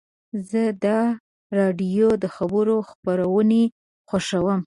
زه د راډیو د خبرو خپرونې خوښوم.